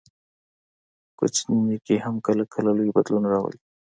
کوچنی نیکي هم کله کله لوی بدلون راولي.